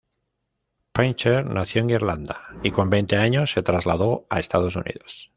Painter nació en Irlanda y con veinte años se trasladó a Estados Unidos.